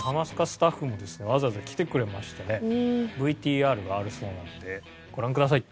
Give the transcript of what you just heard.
スタッフもですねわざわざ来てくれましてねＶＴＲがあるそうなのでご覧ください。